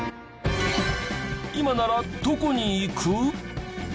今ならどこに行く？